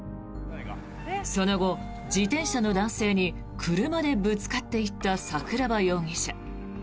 その後、自転車の男性に車でぶつかっていった桜庭容疑者。